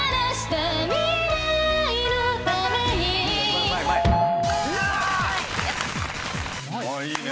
３！いいね。